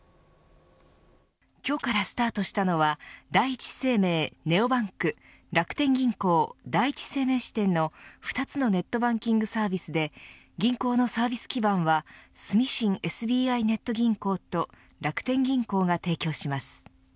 今日からスタートしたのは第一生命ＮＥＯＢＡＮＫ楽天銀行第一生命支店の２つのネットバンキングサービスで銀行のサービス基盤は住信ＳＢＩネット銀行と楽天銀行が提供します。